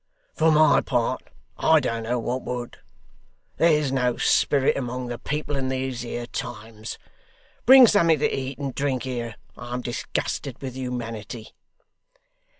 For my part, I don't know what would. There's no spirit among the people in these here times. Bring something to eat and drink here. I'm disgusted with humanity.